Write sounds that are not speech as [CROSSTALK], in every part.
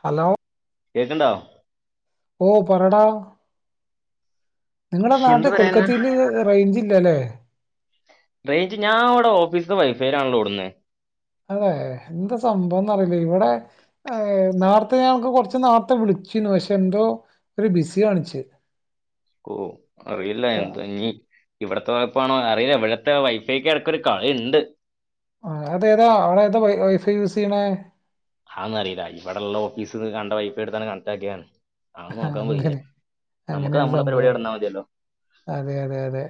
Hello കേൾക്ക്ണ്ടോ ഓ പറയടാ നിങ്ങളെ ശ്ശ്, എന്ത് നാട്ടിൽ പറയാനാ കൊൽക്കത്തയില് റെയ്ഞ്ചില്ല അല്ലേ റൈഞ്ച് ഞാൻ ഇവിടെ ഓഫീസിത്തെ വൈഫൈയിലാണല്ലോ ഓടുന്നെ അതെ എന്താ സംഭവംഎന്ന് അറിയില്ല ഇവിടെ അയ് നാർത്തെ ഞാൻ കൊറച്ച് നേരത്തെ വിളിച്ചിരുന്നു പക്ഷെ എന്തോ ഒരു ബിസി കാണിച്ച് ഓ അറിയില്ല ആ, എന്താ ഞ്ഞി ഇവിടത്തെ കൊയപ്പാണോ അറിയില്ല ഇവിടുത്തെ വൈഫൈക്ക് ഇടക്കൊ ഒരു കളിണ്ട് ആഹ് അത് ഏതാ അവടെ ഏതാ വൈഫൈ യൂസ് ചെയ്യണേ അതൊന്നും അറിയില്ല ഇവിടെ ഉള്ള ഓഫീസ് കണ്ട വൈഫൈ എടുത്ത് കണക്ട് ആക്കിയതാണ് ആ, അത് നോക്കാൻ പോയില്ല അങ്ങനെ നമുക്ക് അങ്ങനെയാണ് നമ്മളെ പരിപാടി സംഭവം നടന്നാൽ മതിയല്ലോ അതെ അതെ അതെ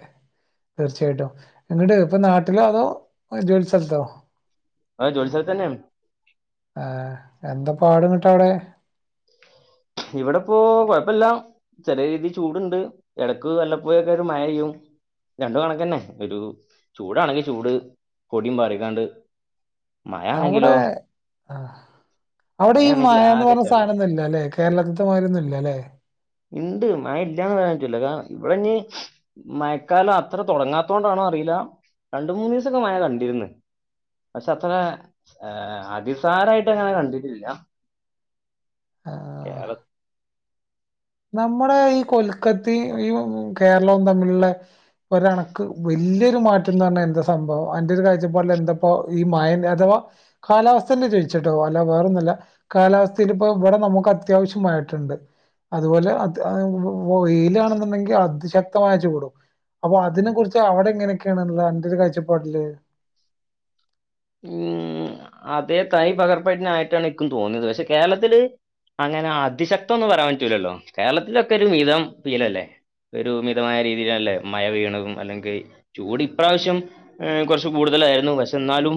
തീർച്ചയായിട്ടും ഇങ്ങോട്ട് ഇപ്പൊ നാട്ടിലോ അതോ ജോലി സ്ഥലത്തോ അതെ ജോലി സ്ഥലത്ത് തന്നെആണ് ആഹ് എന്താ പാട് ഇങ്ങ്ട്ട് അവിടെ ഇവിടെപ്പോ കൊഴപ്പില്ല ചെറിയ രീതിൽ ചൂടുണ്ട് ഇടക്ക് വല്ലപ്പോയൊക്കെ ഒരു മഴ പെയ്യും രണ്ടും കണക്ക് തന്നെ ഒരു ചൂടാണെങ്കി ചൂട് പൊടിയും പാറിക്കാണ്ട് മഴ അവിടെ ആണെങ്കിലോ ആ അവിടെ മഴ ഈ ആണെങ്കിൽ മായന്ന് ആകെ പറഞ്ഞ ചളി സാധനം തന്നെ അല്ലെ കേരളത്തിത്തെ മാരിന്നും ഇല്ല ലെ ഇണ്ട് മഴ ഇല്ലന്ന് പറയാൻ പറ്റൂല കാരണം ഇവിടെഞ്ഞി മഴക്കാലം അത്ര തുടങ്ങാത്തത കൊണ്ടാണോ അറിയില്ല രണ്ട് മൂന്ന് ദിവസൊക്കെ മഴ കണ്ടിരിന്ന് പക്ഷെ അത്ര അതിസാരയിട്ട് അങ്ങനെ കണ്ടിട്ടില്ല ആഹ് കേരള നമ്മുടെ ഈ കൊൽക്കത്തയും ഈ കേരളവും തമ്മിലുള്ള ഒരണക്ക് വലിയൊരു മാറ്റം എന്ന് പറഞ്ഞാ എന്താ സംഭവം അന്റെ ഒരു കാഴ്ചപ്പാടിൽ എന്താപ്പോ ഈ മഴ ഇല്ലാ അധവാ കാലാവസ്ഥ തന്നെ ജയിച്ചിട്ടോ അല്ല വേറൊന്നല്ല കാലാവസ്ഥൽ ഇപ്പോ ഇവിടെ നമുക്ക് അത്യാവശ്യം മഴ കിട്ടണണ്ട് അതുപോലെ അത് വൊയിലാണെന്നുണ്ടെങ്കിൽ അത് ശക്തി വ്യക്തമായച്ച കൂടും അപ്പൊ അതിനെ കുറിച്ച് അവിടെ എങ്ങനെയൊക്കെയാണുള്ള അന്റൊരു കാഴ്ചപ്പാടില് ഉം അതേ തൈ പകർപ്പടിനായിട്ടാണിക്കും തോന്നിയത് പക്ഷെ കേരളത്തില് അങ്ങനെ അതിശക്തം ഒന്നും പറയാൻ പറ്റൂല്ലല്ലോ കേരളത്തിലൊക്കെ ഒരു മിതം ഫീലല്ലേ ഒരുമിതമായ രീതിയിലല്ലേ മഴ പെയ്യ്ണതും അല്ലെങ്കിൽ ചൂട് ഇപ്രാവശ്യം കുറച്ചു കൂടുതലായിരുന്നു പക്ഷെ ന്നാലും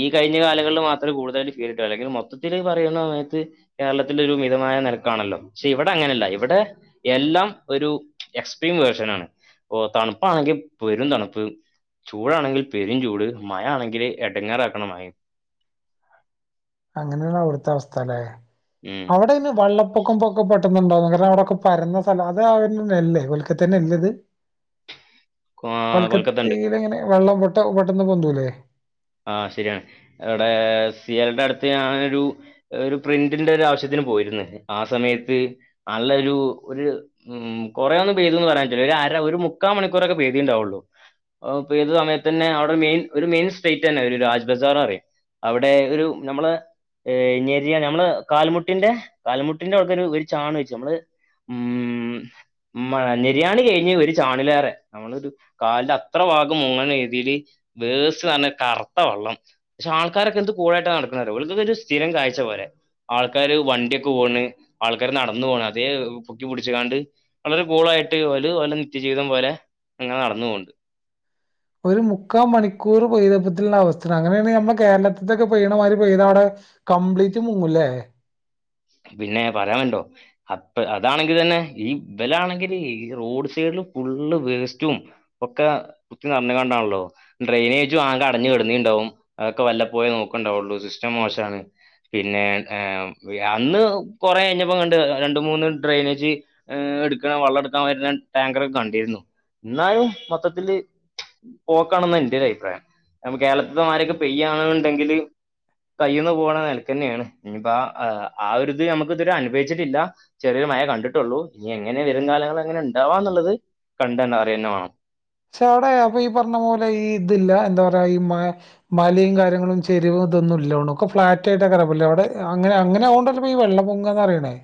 ഈ കഴിഞ്ഞ കാലങ്ങളിൽ മാത്രമേ കൂടുതായിട്ടും ഫീരിട്ടുക അല്ലെങ്കിൽ മൊത്തിത്തില് പറയുന്ന സമയത്ത് കേരളത്തിൻ്റെ ഒരു മിതമായ നിരക്കാണല്ലോ പക്ഷെ ഇവിടെ അങ്ങനെയല്ല ഇവടെ എല്ലാം ഒരു എക്സ്ട്രീം വേർഷൻ ആണ് ഓ തണുപ്പാണെങ്കിൽ പെരും തണുപ്പ് ചൂടാണെങ്കിൽ പെരും ചൂട് മഴ ആണെങ്കില് എടങ്ങേറാക്കണ മഴയും അങ്ങനെയുള്ള അവിടുത്തെ അവസ്ഥ ലേ ഉം. അവിടെ ഇന്നെ വെള്ളപ്പൊക്കം പൊക്കെ പെട്ട ണ്ട കാരണം അവിടെക്കെ പരുന്ന സ്ഥല അത് അവല്ലേ കൊൽക്കത്തേന്നെ നല്ലത് കൊ- കൊൽക്കത്ത ഉണ്ട് കൊൽക്കത്തൽ ഇങ്ങനെ വെള്ളം പൊട്ട പെട്ടെന്ന് പൊന്തുല്ലെ ആ ശരിയാണ് എവിടെ സി എലുടെ അടുത്ത് ഞാനൊരു ഒരു പ്രിന്റിന്റെ ഒരു ആവശ്യത്തിന് പോയിരുന്നു ആ സമയത്ത് നല്ലൊരു ഒരു ഉം കൊറേന്ന് പേയ്തി എന്ന് പറയ പറ്റൂല ഒരര ഒരു മുക്കാ മണിക്കൂറൊക്കെ പെയ്തി ണ്ടാവൊള്ളൂ പെയ്ത സമയത്ത് തന്നെ അവിടെ മെൻ ഒരു മെയിൻസ് സ്റ്റേറ്റ് തന്നെ ഒരു രാജ്ബസാർറ പറി അവിടെ ഒരു നമ്മള് ഞ്ഞര്യ നമ്മൾ കാൽമുട്ടിന്റെ കാൽമുട്ടിന്റെ ഔട്ക്കൊരു ചാണ് വെച്ചു നമ്മള് ഉം മ മ നെരിയാണി കഴിഞ്ഞ് ഒരു ചാണിലേറെ നമ്മളൊരു കാലിന്റെ അത്ര ഭാഗം മുങ്ങന രീതില് വേസ് പറഞ്ഞ കറുത്ത വെള്ളം പക്ഷെ ആൾക്കാരൊക്കെ എന്ത് കൂളാ യിട്ട് നടക്കുന്നരൊ ഒരു സ്ഥിരം കാഴ്ച്ച പോലെ ആൾക്കാര് വണ്ടിയൊക്കെ പോണ് ആൾക്കാര് നടന്നു പോണ് അതേ പൊക്കിപടിച്ച കാണ്ട് വളരെ കൂളായിട്ട് ഓല് ഓലെ നിത്യജീവിതം പോലെ ഇങ്ങനെ നടന്ന് പൊവ്ണ്ട് ഒരു മുക്കാ മണിക്കൂർ പെയ്തപ്പത്തിലുള്ള അവസ്ഥ അങ്ങനെയാണെങ്കി നമ്മുടെ കേരളത്തിൊക്കെ പെയ്യണമാതിരി പെയ്ത അവിടെ കംപ്ലീറ്റ് മുങ്ങൂല്ലേ പിന്നെ പറയാമ്ണ്ടോ അപ്പ അതാണെങ്കി തന്നെ ഈ വിലാണെങ്കില് ഈ റോഡ് സൈഡില് ഫുള്ള് വേസ്റ്റും ഒക്കെ കുത്തി നർഞ്ഞുകണ്ടാണല്ലോ ഡ്രെയിനേജും ആകെ അടഞ്ഞു കിടന്നിണ്ടാവും അതൊക്കെ വല്ല പോയേ നോക്കണ്ടാവുള്ളു സിസ്റ്റം മോശമാണ് പിന്നെ ഏ അന്ന് കൊറെ കഴിഞ്ഞപ്പം കണ്ട് രണ്ട മൂന്ന് ഡ്രെയിനേജ് ഏഹ് എടുക്ക വള്ളം എടുക്കാൻ വരുന്ന ടാങ്കറ ഒക്കെ കണ്ടിരുന്നു ന്നാലും മൊത്തത്തില് പോക്കണെന്ന് എന്റെ ഒരു അഭിപ്രായം ന കേരളത്തി ആരൊക്കെ പെയ്യ ആണെന്നുണ്ടെങ്കില് കയ്യിന്ന് പോകണ നിലക്ക തന്നെയാണ് ഇഞ്ഞ്പ്പോ ആ ആ ഒരിത് നമുക്ക് ഇതുവരെ അനുഭവിച്ചിട്ടില്ല ചെറിയരു മഴ കണ്ടിട്ടുള്ളൂ ഇനി എങ്ങനെ വരും കാലങ്ങൾ എങ്ങനെ ഉണ്ടാവാ ന്നുള്ളത് കണ്ട അറിയന്നെ വേണം സാറേ അപ്പൊ ഈ പറഞ്ഞ പോലെ ഈ ഇതില്ല എന്താ പറയാ ഈ മലയും കാര്യങ്ങളും ചരിവും ഇതൊന്നും ഇല്ലൊണു ഫ്ളാറ്റ് ആയിട്ടക്കാരം ലെ അവിടെ അങ്ങനെ അങ്ങനെകണ്ടല്ലോ അപ്പ ഈ വെള്ളൊങ്ങന്ന്റിയണേ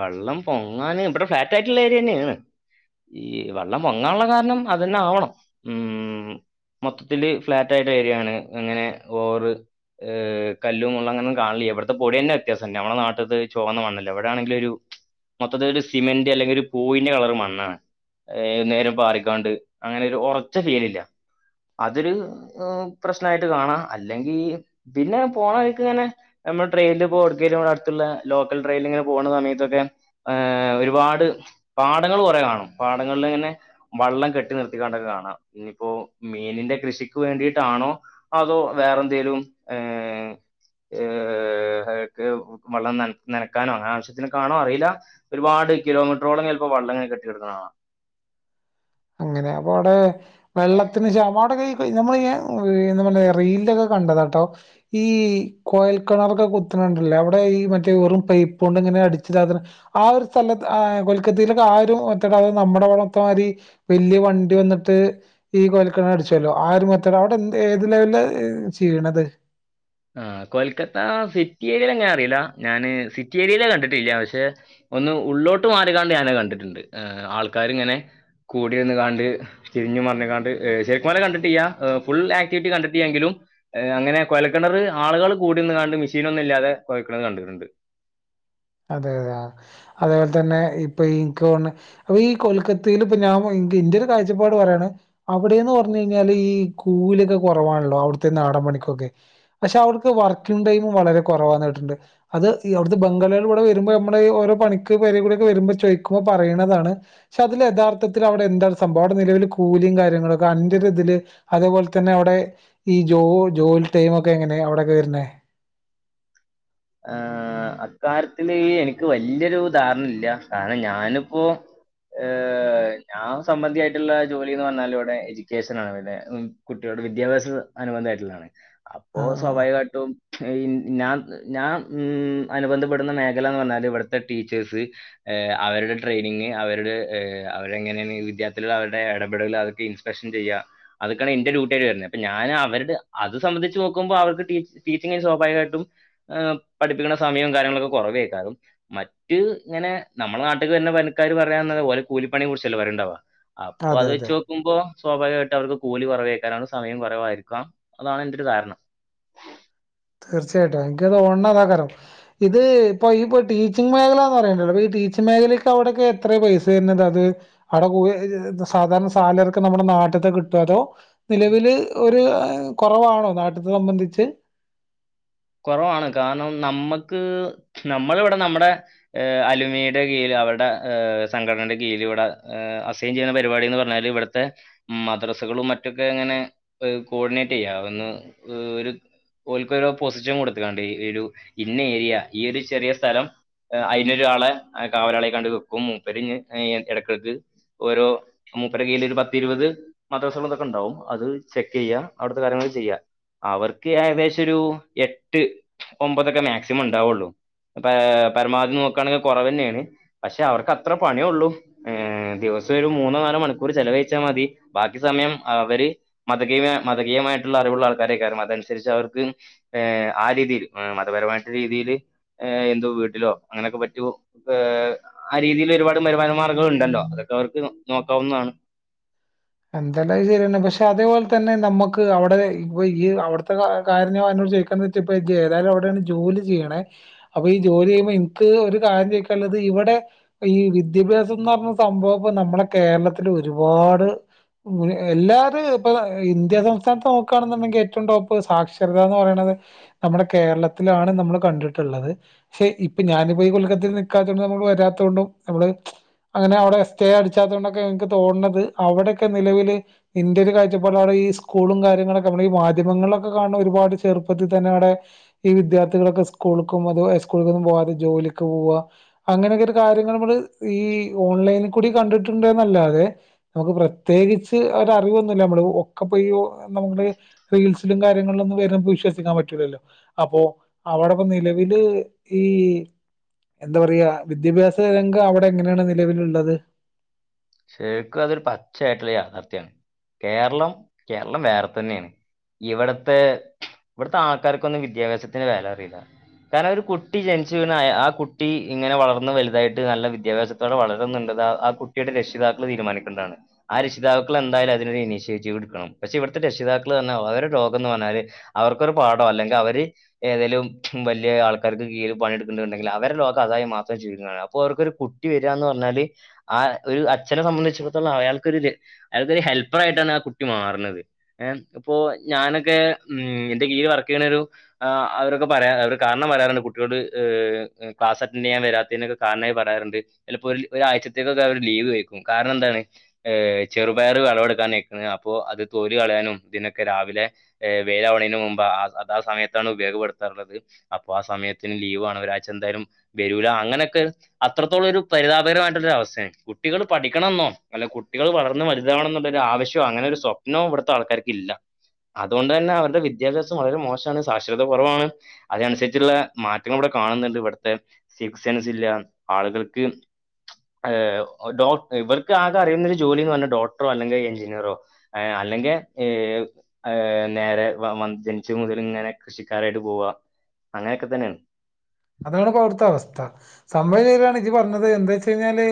വെള്ളം പൊങ്ങാൻ ഇവിടെ ഫ്ളാറ്റ് ആയിട്ടുള്ള ഏരിയന്നെണ് ഈ വെള്ളം പൊങ്ങാനുള്ള കാരണം അതന്നെ ആവണം ഉം മൊത്തത്തില് ഫ്ളാറ്റ് ആയിട്ട ഏരിയാണ് എങ്ങനെ ഓറ് ഏ കല്ലും മുള്ള ങ്ങൊന്നും കാണില്ല ഇവിടത്തെ പൊടി തന്നെ വ്യത്യാസംല്ല നമ്മുടെ നാട്ടത് ചൊവന്ന മണ്ണല്ലേ അവിടെ താണെങ്കിലൊരു മൊത്തത്തി ഒരു സിമന്റ് അല്ലെങ്കിൽ ഒരു പൂയിന്റെ കളറ് മണ്ണാണ് ഏ നേരം പാറിക്കാണ്ട് അങ്ങനെ ഒരു ഉറച്ച ഫീല് ഇല്ല അതൊരു പ്രശ്നായിട്ട് കാണാം അല്ലെങ്കിൽ പിന്നെ പോണ വഴിക്ക് ഇങ്ങനെ നമ്മ ട്രെയിനിൽഒട്ക്കേലും അടുത്തുള്ള ലോക്കൽ ട്രെയിൽങ്ങനെ പോണ സമയത്തൊക്കെ ഏഹ ഒരുപാട് പാടങ്ങൾ കുറെ കാണും പാടങ്ങളിൽ ഇങ്ങനെ വള്ളം കെട്ടി നിർത്തിക്കാണ്ടൊക്കെ കാണാം ഇനിയിപ്പോ മീനിന്റെ കൃഷിക്ക് വേണ്ടിട്ടാണോ അതോ വേറെ എന്തേലും ഏഹ് ഏഹ് ഹക്ക് വെള്ളം ന നനക്കാനും അങ്ങ [UNINTELLIGIBLE] കാണോ അറിയില്ല ഒരുപാട് കിലോമീറ്ററോളം ചിലപ്പോ വള്ളംങ്ങനെട്ടിെടുക്കുന്ന കാണ അങ്ങനെ അപ്പൊ അവിടെ വെള്ളത്തിന് ശാമം അവിടൊക്കെ നമ്മള് എന്തല റീല്ല്യില് ഒക്കെ കണ്ടത കേട്ടോ ഈ കോയൽ കിണറൊക്കെ കുത്തിണണ്ടല്ലേ അവിടെ ഈ മറ്റേ വെറും പൈപ്പ് കൊണ്ട് ഇങ്ങനെ അടിച്ച ആ ഒരു സ്ഥലത്ത് കൊൽക്കത്തയിലേക്കെ ആരും ഒട്ട അത് നമ്മുടെ വളത്തെമാതി വല്യ വണ്ടി വന്നിട്ട് ഈ കൊൽക്കണ അടിച്ചല്ലോ ആര് മറ്റ അവിടെ എന്ത് ഏത് ലെവല് ചെയ്യണത് ആഹ് കൊൽക്കത്ത സിറ്റി ഏരിയൽ എങ്ങനെ അറിയില്ല ഞാന് സിറ്റി ഏരിയയില കണ്ടിട്ടില്ല പക്ഷെ ഒന്ന് ഉള്ളോട്ട് മാറിക്കാണ്ട് ഞാന് കണ്ടിട്ടുണ്ട് ആൾക്കാര് ഇങ്ങനെ കൂടിന്ന് കണ്ട് തിരിഞ്ഞു പറഞ്ഞാണ്ട് ശരിക്കും കൊല കണ്ടിട്ടീ്യ ഫുൾ ആക്ടിവിറ്റി കണ്ടിട്ട് എങ്കിലും അങ്ങനെ കൊല കിണറ് ആുകൾ കൂടി നിന്ന് കാണ്ട് മിഷീനൊന്നും നില്ലാതെ കുയ്ക്കുന്നത് കണ്ടിട്ടുണ്ട് അതെ അതെ അതേപോലെ തന്നെ ഇപ്പൊ ഇൻക്കൊൺണ് അപ്പൊ ഈ കൊൽക്കത്തയിൽ ഇപ്പൊ ഞാൻ ഇന്ത്യ ഇൻ്റൊരു കാഴ്ചപ്പാട് പറയാണ് അവിടെന്ന് പർഞ്ഞു കഴിഞ്ഞാല് ഈ കൂലിയൊക്കെ കുറവാണല്ലോ അവ്ട്ത്തെ നാടൻ പണിക്കൊക്കെ പക്ഷെ അവർക്ക് വർക്കിങ്ങ് ടൈമും വളരെ കുറവന്ന് കേട്ടിട്ടുണ്ട് അത് ഈ അവിടുത്തെ ബംഗാള ടെ വരുമ്പോൾ നമ്മുടെ ഓരോ പണിക്ക് കൂടിക്കെ വരുമ്പോ ചോദിക്കുമ്പോ പറയുന്നതാണ് പക്ഷെ അതില് യഥാർത്ഥത്തിൽ അവിടെ എന്താ സംഭവം അവിടെ നിലവില് കൂലിയും കാര്യങ്ങളുംക്കെ അൻന്റെ ഒരു ഇതില് അതേപോലെ തന്നെ അവിടെ ഈ ജോ ജോലി ടൈമ് ഒക്കെ എങ്ങനെ അവിടെക്കെ വര്ണെ ആഹ് അക്കാര്ത്തില്ൽ എനിക്ക് വല്യൊരുദധാരണ ഇല്ല കാരണം ഞാനിപ്പോ ഏ ഞാൻ സമ്പന്തിആയിട്ടുള്ള ജോലിന്ന് പർഞ്ഞാൽ ഇവിടെ എഡ്യൂക്കേഷൻ ആണ് ലെ ഉം കുട്ടികളുടെ വിദ്യാഭ്യാസ അനുബന്ധമായിട്ടുള്ളതാണ് അപ്പോ ആഹ് ആഹ് സ്വാഭാവികമായിട്ടും ഞാൻ ഞാൻ അനുബന്ധപ്പെടുന്ന മേഖല എന്ന് പറഞ്ഞാല് ഇവിടുത്തെ ടീച്ചേഴ്സ് ഏഹ് അവരുടെ ട്രെനിങ് അവരുടെ ഏഹ് അവരെ എങ്ങനെയ വിദ്യാർത്ഥികൾ അവരുടെ ഇടപെടലുകൾ അതൊക്കെ പ്രഷം ചെയ്യുക അതക്കാണ് എന്റെ ഡ്യൂട്ടിയായിട്ട് വരുന്നത് അപ്പൊ ഞൻ അവരുടെ അത് സംബന്ധിച്ച് നോക്കുമ്പോ അവക്ക് ടീച്ചി ടീച്ചിങ്ങിന് സ്വാഭാവികമായിട്ടും ഏപ് പഠിപ്പിക്കുന്ന സമയം കാര്യങ്ങളൊക്കെ കുറവേക്കാലും മറ്റ് ഇങ്ങനെ നമ്മള നട്ടക്ക് തന്നെ വനക്കാര് പറയയാന്ന ഓലെ കൂലിപ്പണിയെ കുറിച്ചല്ലോവരുണ്ടവാ അപ്പൊ അതെ അത് അതെ. വെച്ച നക്ക്പോ സ്വാഭാവികമായിട്ട് അവർക്ക് കൂലി കുറവേക്കാനാണ് സമയം കുറവായിരിക്കാം അതാണ് അതിൻ്റൊരു ഒരു കാരണം തീർച്ചയായിട്ടും എനിക്കത് ഒണ്ണാതാക്കരം ഇത് ഇപ്പൊ ഇപ്പോ ടീച്ചിങ് മേഖല എന്ന് പറയണ്ടല്ലോ അപ്പ ഈ ടീച്ചിങ് മേഖലയ്ക്ക് അവിടയക്ക എത്ര പൈസ തരുന്നത് അത് അവിടെ കുടിയ സാധാരണ സാലറക്ക് ക്കെ നമ്മുടെ നാട്ടത്തെ കിട്ടും അതോ നിലവില് ഒരു കുറവാണോ നാട്ടത്തെ സംബന്ധിച്ച് കുറവാണ് കാരണം നമ്മുക്ക് നമ്മളിവിടെ നമ്മുടെ ഏഷ് അലമിയുടെ കീഴിൽ അവരുടെ് സംഘടനയുടെ കീഴിൽ ഇവിടെ ഏഹ് [UNINTELLIGIBLE] ജീന പരിപാടി എന്ന് പറഞ്ഞല് ഇവിടുത്തെ മദ്രസകളും മറ്റൊക്കെ ഇങ്ങനെ ഒ കോഡിനേറ്റെയ്യ ഒന്ന് ഒരു ഓൽക്കോരോ പൊസിഷൻ കൊടുത്ത്കാണ്ട് ഈ ഒരു ഇന്ന ഏരിയ ഈ ഒരു ചെറിയ സ്ഥലം അയ്നൊരാളെ കാവലാളായ്കാണ്ട് വെക്കും. മൂപ്പര് ഇഞ്ഞ് ഇടക്കെട്ക്ക് ഓരോ മൂപ്പര കൽ ഒരു പത്തി ഇരുപത് മദസ്ഥലം ഇതൊക്കെ ഉണ്ടാവും അത് ചെക്ക് ചെയ്യാം അവിടുത്തെ കാര്യങ്ങൾ ചെയ്യാ അവർക്ക് ഏകദേശം ഒരു എട്ട് ഒമ്പതൊക്കെ മാക്സിമം ഉണ്ടാവുള്ളൂ അപ്പൊ പരമാവധി നോക്കുകയാണെങ്കിൽ കുറവഞ്ഞെന്നെയാണ് പക്ഷെ അവർക്ക് അത്ര പണിയള്ളൂ ഏഹ് ദിവസം ഒരു മൂന്നോ നാലോ മണിക്കൂർ ചെലവഴിച്ചാൽ മതി ബാക്കി സമയം അവര് മതകീയമായ മതകീയമായിട്ടുള്ള അറിവുള്ള ആൾക്കാരെ കാര്യണം അതനുസരിച്ച് അവർക്ക് ഏ ആ രീതിയിൽ മതപരമായിട്ട രീതിയില് എന്തോ വീട്ടിലോ അങ്ങനെയൊക്കെ പറ്റൊ ഏഫ് ആ രീതിയിൽ ഒരുപാട് വരുമാന മാർഗ്ഗൾ ഉണ്ടല്ലോ അതൊക്കെ അവർക്ക് നോക്കാവുന്നതാണ് എന്തെല്ല ശരിഞ്ഞെ പക്ഷെ അതേപോലെ തന്നെ നമ്മുക്ക് അവിടെ ഇപ്പൊ ഈ അവിടുത്തെ കാര്യം ഞാൻോട് ചോദിക്ക [UNINTELLIGIBLE] ഏതാലും അവിടെയാണ് ജോലി ചെയ്യണേ അപ്പൊ ഈ ജോലി ചെയ്യുമ്പോ ഇൻക് ഒരു കാര്യം ചോയിക്കാനുള്ളത് ഇവിടെ ഈ വിദ്യാഭ്യാസം എന്ന് പറഞ്ഞ സംഭവം ഇപ്പോ നമ്മുളെ കേരളത്തിൽ ഒരുപാട് എല്ലാരും ഇപ്പ ഇന്ത്യ സംസ്ഥാനത്ത് നോക്കുകയാണെന്നുണ്ടെങ്കിൽ ഏറ്റവും ടോപ് ഇ സാക്ഷരത എന്ന് പറയണത് നമ്മുടെ കേരളത്തിലാണ് നമ്മൾ കണ്ടിട്ടുള്ളത് ഫൈ ഇപ്പൊ ഞാനിപ്പോ ഈ കൊൽക്കത്തയിൽ നിൽക്കാത്തൊണ്ടും നമ്മള് വരാത്തൊണ്ടും നമ്മള് അങ്ങനെ അവിടെ സ്റ്റേ അടിച്ചാതോ ണ്ടൊക്കെ എനിക്ക് തോന്നണത് അവിടെയൊക്കെ നിലവില് ഇന്റെ ഒരു കാഴ്ച പാടില്ല് അവിടെ ഈ സ്കൂളും കാര്യങ്ങളൊക്കെ നമ്മളെ ഈ മാധ്യമങ്ങളിലൊക്കെ കാണുന്ന ഒരുപാട് ചെറുപ്പത്തിതന്നെ അവിടെ ഈ വിദ്യാർത്ഥികളൊക്കെ സ്കൂൾക്കും അത് ഹൈസ് സ്കൂൾ കൊന്നും പോവാതെ ജോലിക്ക് പോവാ അങ്ങനെയൊക്കെ ഒരു കാര്യങ്ങൾ നമ്മൾ ഈ ഓൺലൈനിൽ കൂടി കണ്ടിട്ടുണ്ടന്നല്ലാതെ നമുക്ക് പ്രത്യേകിച്ച് ഒരു അറിവൊന്നുമല്ല നമ്മള് ഒക്കെപയ്യ് നമ്മുടെ റീൽസില്ലും കാര്യങ്ങളിലൊന്നും വരന്ന് നമ്മുക്ക് വിശ്വാസിക്കാൻ പറ്റില്ലല്ലോ അപ്പോ അവിടെ നിലവില് ഈ എന്താ പറയാ വിദ്യാഭ്യാസ രംഗം അവിടെ എങ്ങനെയാണ് നിലവിലുള്ളത് ശരിക്കും അതൊരു പച്ചയായിട്ടുള്ള യാഥാർത്ഥ്യയാണ് കേരളം കേരളം വേറെ തന്നെയാണ് ഇവിടത്തെ ഇവിടുത്തെ ആൾക്കാർക്കൊന്നും വിദ്യാഭ്യാസത്തിന് വില അറിയില്ല കാരണം ഒരു കുട്ടി ജനിച്ചുവീണാ ആ കുട്ടി ഇങ്ങനെ വളർന്ന് വലുതായിട്ട് നല്ല വിദ്യാഭ്യാസം കുട്ടികൾ വളരുന്നുണ്ട് ആ കുട്ടിയുടെ രക്ഷിതാക്കൾ തീരുമാനിക്കേണ്ടതാണ് ആ രക്ഷിതാക്കൾ എന്തായാലും അതിനൊരു ഇനിഷ്യേറ്റീവ് എടുക്കണം പക്ഷെ ഇവിടുത്തെ രക്ഷിതാക്കൾ പറഞ്ഞാ അവരെ ലോകം എന്ന് പറഞ്ഞാൽ അവർക്കൊരു പാഠം അല്ലെങ്കിൽ അവർ ഏതേലും വലിയ ആൾക്കാർക്ക് കീഴിൽ പണിയെടുക്കുന്നുണ്ടെങ്കിൽ അവരെ ലോകം അതായി മാത്രം ജീവിക്കുന്നാണ് അപ്പോ അവർക്കൊരു കു കുട്ടി വരാന്ന് പറഞ്ഞാല് ആ ഒരുഅ അച്ഛനെ സംബന്ധിച്ചിടത്തോളം അയാൾക്കൊരു അയാൾക്കൊരു ഹെൽപ്പർ ആയിട്ടാണ് ആ കുട്ടി മാർ ണത് ഏഹ് ഇപ്പൊ ഞാനൊക്കെ ഉം എന്റെ കീഴൽവർക്കയ്യ്ണോരു ആഹ് അവരൊക്കെ പറയാ അവര് കാരണം പറയാറുണ്ട് കുട്ടികളുടെ ക്ലാസ് അറ്റൻഡ് ചെയ്യാൻ വരാത്തതിനോക്കെ കാരണായി പറയാറുണ്ട് ചിലപ്പോൾ ഒരു ഒരാഴ്ചത്തേക്കൊക്കെ അവര് ലീവ് ചോയിക്കും കാരണം എന്താണ് ഏഹ് ചെറുപയർ വിളവെടുക്കാൻ ആയിക്ണ് അപ്പൊ അത് തോലി കളയാനും ഇതിനൊക്കെ രാവിലെ വേഴിൽആവണീന് മുമ്പ് അ അതാ സമയത്താണ് ഉപയോഗപ്പെടുത്താറുള്ളത് അപ്പൊ ആ സമയത്തിന് ലീവ് ആണ് ഒരാഴ്ച എന്തായാലും വരൂല അങ്ങനെയൊക്കെ അത്രത്തോളം ഒരു പരിതാപകരമായിട്ടുള്ളൊ ഒരു അവസ്ഥയ കുട്ടിള് പഠിക്കണന്നോ അല്ല കുട്ടികൾ വളർന്ന് വലതാവണം എന്നുള്ള ആവശ്യോ അങ്ങനെ ഒരു സ്വപ്നവും ഇവിടുത്തെ ആൾക്കാർക്ക് ഇല്ല അതോണ്ട്തന്നെ അവരുടെ വിദ്യാഭ്യാസം വളരെ മോശമാണ് സാക്ഷരത കുറവാണ് അതിനനുസരിച്ചുള്ള മാറ്റങ്ങൾ ഇവിടെ കാണുന്നുണ്ട് ഇവിടുത്തെ സിൻക്സസില്ല ആളുകൾക്ക് ഏഹ ഡോക് ഇവർക്ക് ആകെ അറിയുന്നൊരു ജോലിന്ന് പറഞ്ഞാൽ ഡോക്ടറോ അല്ലെങ്കിൽ എഞ്ചിനീയറോ അല്ലെങ്കിൽ ഏഹ് ഹെ നേരെ ജനിച്ച മുതൽ ഇങ്ങനെ കൃഷിക്കാരായിട്ട് പോവാ അങ്ങനെയൊക്കെ തന്നെയാണ് അതാണ് അവിടുത്ത അവസ്ഥ സംഭവം നേരാണ് ഇജ്ജ് പറഞ്ഞത് എന്താച്ചഴിഞ്ഞാല്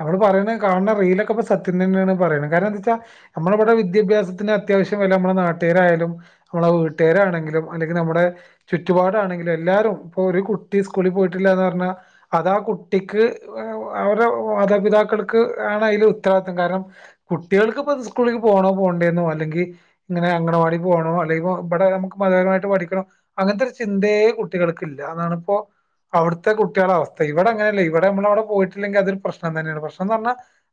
നമ്മൾ പറയണ കാണ റീലൊക്കെ സത്യംതെന്നെയാണ് പറയണ് കാരണം എന്താ വെച്ചാ നമ്മളവിടെ വിദ്യാഭ്യാസത്തിന് അത്യാവശ്യം വില നമ്മുടെ നാട്ടുകരായാലും നമ്മളെ വീട്ടുകാരാണെങ്കിലും അല്ലെങ്കിൽ നമ്മുടെ ചുറ്റുപാട് ആണെങ്കിലും എല്ലാരും ഇപ്പൊ ഒരു കു ട്ടി സ്കൂളിൽ പോയിട്ടില്ല എന്ന് പറഞ്ഞാ അതാ കുട്ടിക്ക് അവരുടെ മാതാപിതാക്കൾക്ക് ആണ് അയിൽ ഉത്തരവാദിത്തം കാരണം കുട്ടികൾക്കപ്പത് സ്കൂളിലക്ക് പോണോ പോണ്ടേെന്നോ അല്ലെങ്കിൽ ഇങ്ങനെ അംഗണവാടി പോകണോ അല്ലെങ്കോ ഇവിടെ നമുക്ക് മതപരമായിട്ട് പഠിക്കണോ അങ്ങനത്തെ ഒരു ചിന്തേ കുട്ടികൾക്കില്ല അതാണിപ്പോ അവിടുത്തെ കുട്ടികള അവസ്ഥ ഇവിടെ അങ്ങനെയല്ലേ ഇവിടെ നമ്മളവിടെ പോയിട്ടില്ലങ്കിൽ അതൊ പ്രശ്നം തന്നെയാണ് പ്രശ്നന്ന് പറഞ്ഞ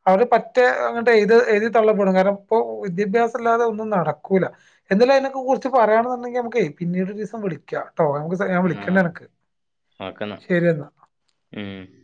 അവര് പറ്റേ അങ്ങട്ട് എഴത് എഴതി തള്ളപ്പെടും കാരണം ഇപ്പൊ വിദ്യാഭ്യാസം ഇല്ലാതെ ഒന്നും നടക്കൂല എന്തെകിലും അതിനനെ കുറിച്ച് പറയാണെന്നുണ്ടെങ്കിൽ നമുക്ക് പിന്നീട് ഒരു ദിവസം വിളിക്കാം ട്ടൊ ഞാൻ വിളിക്കണ്ട് അനക്ക് ഓക്കേ ന്നാ ഉം